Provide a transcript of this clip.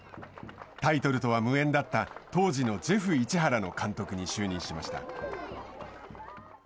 タイトルとは無縁だった、当時のジェフ市原の監督に就任しました。